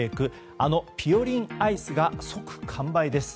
あのぴよりんアイスが即完売です。